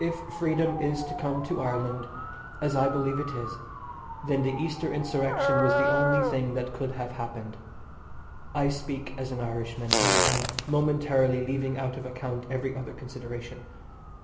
If freedom is to come to Ireland as I believe it is then the Easter Insurrection was the only thing that could have happened. I speak as an Irishman, and am momentarily leaving out of account every other consideration.